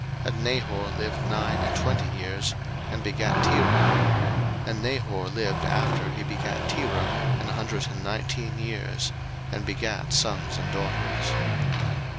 01:011:024 And Nahor lived nine and twenty years, and begat Terah: 01:011:025 And Nahor lived after he begat Terah an hundred and nineteen years, and begat sons and daughters.